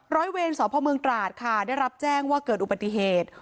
ร้อยเวรสพเมืองตราดค่ะได้รับแจ้งว่าเกิดอุบัติเหตุ